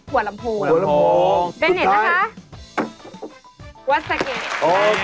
หัวลำโพง